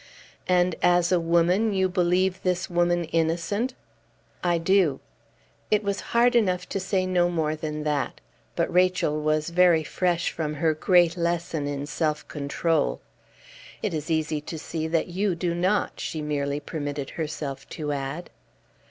"And as a woman you believe this woman innocent?" "I do." It was hard enough to say no more than that; but Rachel was very fresh from her great lesson in self control. "It is easy to see that you do not," she merely permitted herself to add.